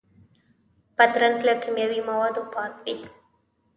بادرنګ له کیمیاوي موادو پاک وي.